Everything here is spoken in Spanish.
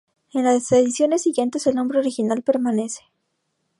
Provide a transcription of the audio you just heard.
En las ediciones siguientes, el nombre original permanece.